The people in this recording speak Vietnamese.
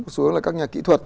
có xu hướng là các nhà kỹ thuật